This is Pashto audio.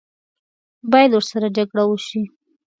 باید ورسره جګړه وشي.